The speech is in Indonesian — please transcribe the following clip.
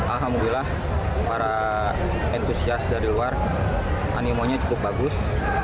alhamdulillah para entusias dari luar animonya cukup bagus